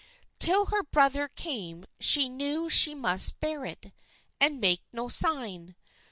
Till her brother came she knew she must bear it, and make no sign.